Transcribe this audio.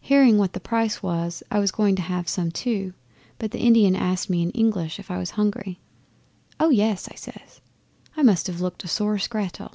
Hearing what the price was I was going to have some too, but the Indian asked me in English if I was hungry. "Oh yes!" I says. I must have looked a sore scrattel.